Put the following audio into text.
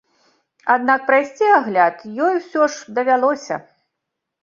Аднак прайсці агляд ёй усё ж давялося.